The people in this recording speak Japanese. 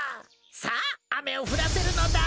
さああめをふらせるのだ。